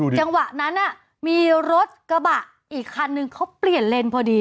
จังหวะนั้นมีรถกระบะอีกคันนึงเขาเปลี่ยนเลนพอดี